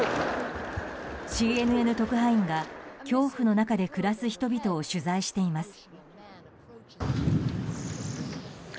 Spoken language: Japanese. ＣＮＮ特派員が恐怖の中で暮らす人々を取材しています。